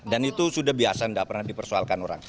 dan itu sudah biasa tidak pernah dipersoalkan orang